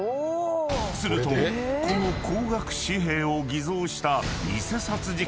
［するとこの高額紙幣を偽造した］